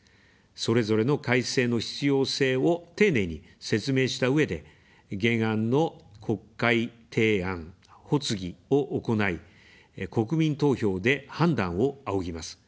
それぞれの改正の必要性を丁寧に説明したうえで、原案の国会提案・発議を行い、国民投票で判断を仰ぎます。